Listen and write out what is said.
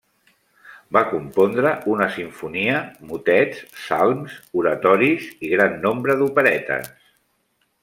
Va compondre una simfonia, motets, salms, oratoris i gran nombre d'operetes.